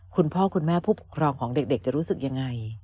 คุณพ่อคุณแม่ผู้ปกครองของเด็กจะรู้สึกยังไง